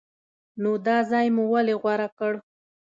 نو دا ځای مو ولې غوره کړ؟